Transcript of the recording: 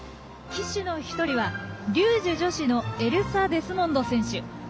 旗手の１人はリュージュ女子のエルサ・デスモンド選手。